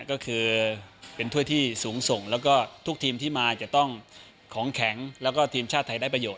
ก็คือเป็นถ้วยที่สูงส่งแล้วก็ทุกทีมที่มาจะต้องของแข็งแล้วก็ทีมชาติไทยได้ประโยชน